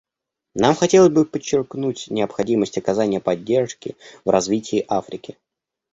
Нам хотелось бы подчеркнуть необходимость оказания поддержки в развитии Африки.